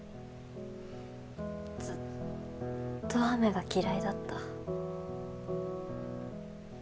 ずっと雨が嫌いだった。